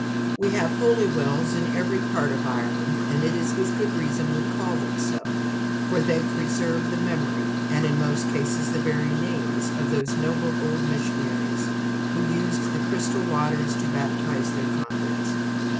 We have now Holy Wells in every part of Ireland, and it is with good reason we call them so, for they preserve the memory, and in most cases the very names, of those noble old missionaries who used the crystal water to baptise their converts.